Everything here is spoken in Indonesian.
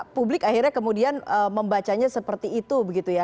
publik akhirnya kemudian membacanya seperti itu begitu ya